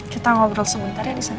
kita ngobrol sebentar ya disana